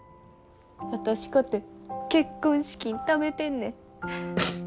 私かて結婚資金ためてんねん。